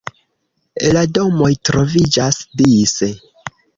La domoj troviĝas dise.